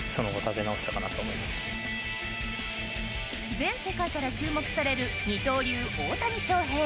全世界から注目される二刀流・大谷翔平。